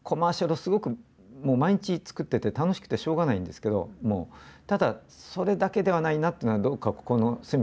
すごく毎日作ってて楽しくてしょうがないんですけどただそれだけではないなっていうのがどっか心の隅にあって。